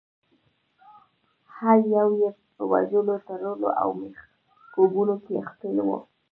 هر یو یې په وژلو، تړلو او میخکوبونو کې ښکیل وو.